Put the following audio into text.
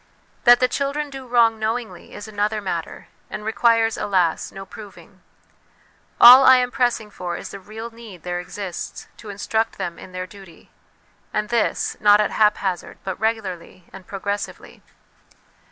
That the children do wrong knowingly is another matter, and requires, alas, no proving ; all I am pressing for is the real need there exists to instruct them in their duty ; and this, not at haphazard, but regularly and progressively.